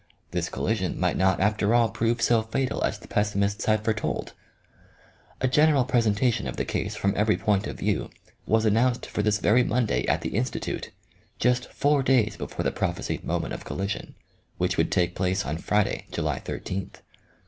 This collision might not after all prove so fatal as the pes simists had foretold. A general presentation of the case from every point of view was announced for this very Monday at the Institute, just four days before the prophesied moment of collision, which would take place on Friday, July i3th.